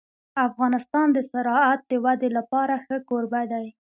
افغانستان د زراعت د ودې لپاره ښه کوربه دی.